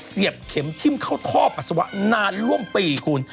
เสียบเข็มทิ้มเข้าท่อปัสสาวะนานร่วมปีคุณ